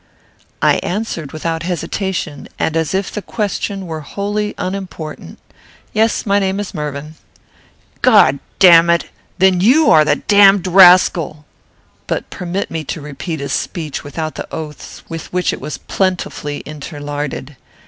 I answered, without hesitation, and as if the question were wholly unimportant, "Yes; my name is Mervyn." "God damn it! You then are the damned rascal" (but permit me to repeat his speech without the oaths with which it was plentifully interlarded.